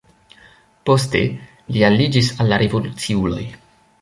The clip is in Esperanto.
Poste li aliĝis al la revoluciuloj.